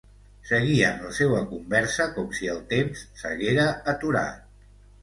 Seguien la seua conversa com si el temps s’haguera aturat.